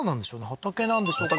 畑なんでしょうか？